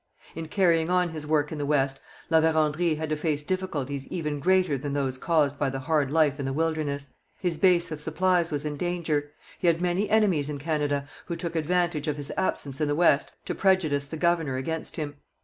In carrying on his work in the West, La Vérendrye had to face difficulties even greater than those caused by the hard life in the wilderness. His base of supplies was in danger. He had many enemies in Canada, who took advantage of his absence in the West to prejudice the governor against him.